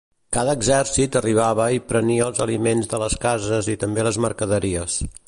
Cada exèrcit arribava i prenia els aliments de les cases i també les mercaderies.